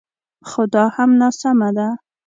خو دا هم ناسمه ده